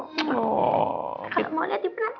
kalau mau lihat ibu nanti